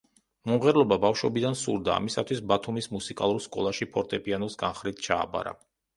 მომღერლობა ბავშვობიდან სურდა, ამისათვის ბათუმის მუსიკალურ სკოლაში ფორტეპიანოს განხრით ჩააბარა.